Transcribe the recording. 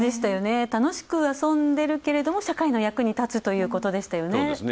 楽しく遊んで社会の役に立つということでしたよね。